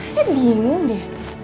saya bingung deh